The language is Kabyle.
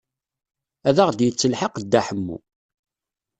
Ad aɣ-d-yettelḥaq Dda Ḥemmu.